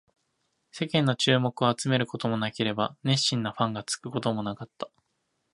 世間の注目を集めることもなければ、熱心なファンがつくこともなかった